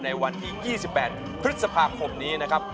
ในวันที่๒๘พฤษภาคมนี้นะครับ